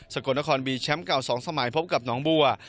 กลนครมีแชมป์เก่า๒สมัยพบกับหนองบัว